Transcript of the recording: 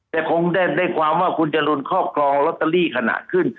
แต่คงได้เรื่องว่าคุณจรูนคอบครองลอตเตอรี่ขนาดขึ้น